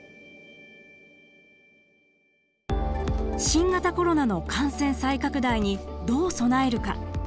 新型コロナの感染再拡大にどう備えるか？